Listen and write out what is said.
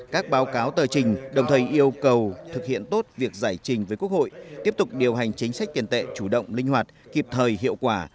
các báo cáo tờ trình đồng thời yêu cầu thực hiện tốt việc giải trình với quốc hội tiếp tục điều hành chính sách tiền tệ chủ động linh hoạt kịp thời hiệu quả